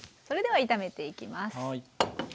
それでは炒めていきます。